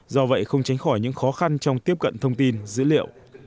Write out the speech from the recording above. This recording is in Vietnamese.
do vậy không tránh khỏi những khó khăn trong tiếp cận thông tin dữ liệu